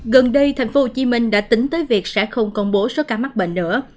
gần đây tp hcm đã tính tới việc sẽ không công bố số ca mắc bệnh nữa